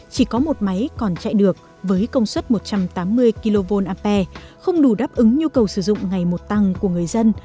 chỉ có một máy còn chạy được với công suất một trăm tám mươi kva không đủ đáp ứng nhu cầu sử dụng ngày một tăng của người dân